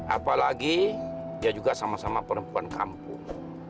apalagi dia juga sama sama perempuan kampung